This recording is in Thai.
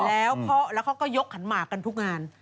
แล้วเขาก็ยกขันหมากกันทุกงาน